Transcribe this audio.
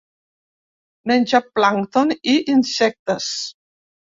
Menja plàncton i insectes.